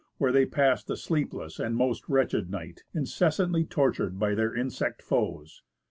where they passed a sleepless and most wretched night, incessantly tortured by their insect foes.